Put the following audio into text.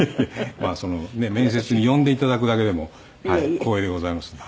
まあそのねえ面接に呼んで頂くだけでも光栄でございますんで。